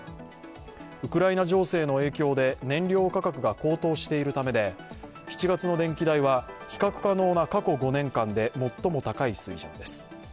ウクライナ情勢の影響で燃料価格が高騰しているためで７月の電気代は比較可能な過去５年間で最も高い水準です。